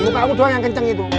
bukan kamu doang yang kenceng itu